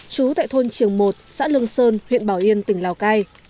chú tại thôn triều một xã lương sơn huyện bảo yên tỉnh lào cai